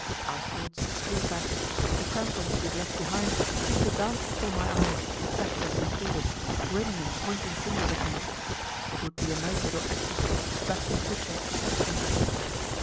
Our thoughts flew back; the crampons we had left behind seemed to dance before my eyes, backwards and forwards, grinning and pointing fingers at me. It would be a nice little extra trip back to the Butcher's to fetch them.